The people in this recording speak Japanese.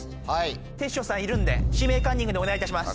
てっしょうさんいるんで「指名カンニング」でお願いいたします。